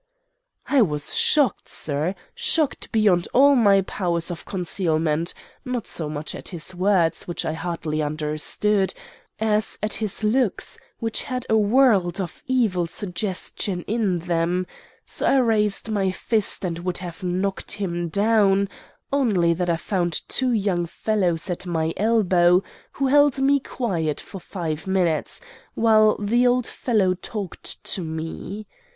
"I was shocked, sir, shocked beyond all my powers of concealment, not so much at his words, which I hardly understood, as at his looks, which had a world of evil suggestion in them; so I raised my fist and would have knocked him down, only that I found two young fellows at my elbows, who held me quiet for five minutes, while the old fellow talked to me.